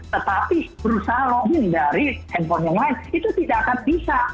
tetapi berusaha loading dari handphone yang lain itu tidak akan bisa